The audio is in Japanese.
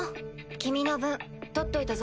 君の分取っといたぞ。